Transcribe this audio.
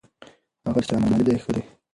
هغه درس چې عملي دی ښه دی.